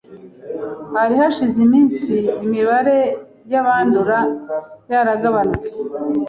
Hari hashize iminsi imibare y’abandura yaragabanutse